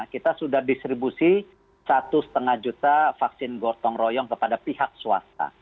kita sudah distribusi satu lima juta vaksin gotong royong kepada pihak swasta